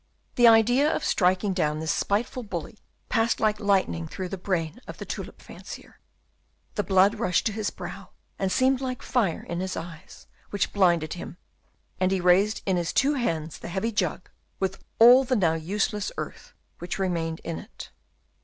The idea of striking down this spiteful bully passed like lightning through the brain of the tulip fancier. The blood rushed to his brow, and seemed like fire in his eyes, which blinded him, and he raised in his two hands the heavy jug with all the now useless earth which remained in it.